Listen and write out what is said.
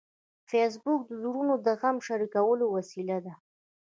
فېسبوک د زړونو د غم شریکولو وسیله ده